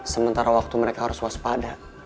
sementara waktu mereka harus waspada